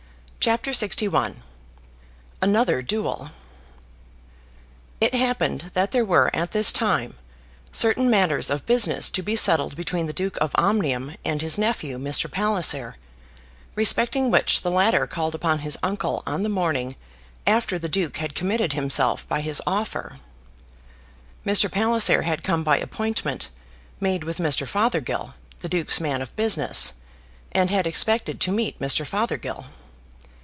CHAPTER LXI Another Duel It happened that there were at this time certain matters of business to be settled between the Duke of Omnium and his nephew Mr. Palliser, respecting which the latter called upon his uncle on the morning after the Duke had committed himself by his offer. Mr. Palliser had come by appointment made with Mr. Fothergill, the Duke's man of business, and had expected to meet Mr. Fothergill.